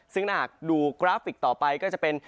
ซึ่งถ้าหากดูกราฟิกต่อไปก็จะเป็น